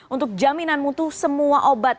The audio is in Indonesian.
untuk jaminan mutu semua obat